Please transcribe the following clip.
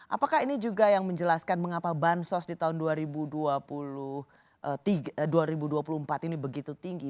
apakah ini juga yang menjelaskan mengapa bansos di tahun dua ribu dua puluh empat ini begitu tinggi